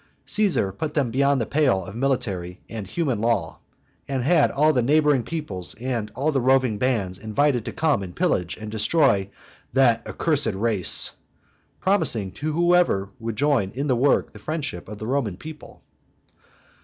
Caesar put them beyond the pale of military and human law, and had all the neighboring peoplets and all the roving bands invited to come and pillage and destroy "that accursed race," promising to whoever would join in the work the friendship of the Roman people.